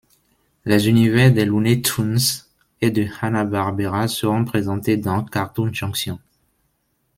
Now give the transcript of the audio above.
Les univers des Looney Tunes et de Hanna-Barbera seront présentés dans Cartoon Junction.